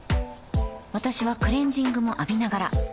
私はクレジングも浴びながら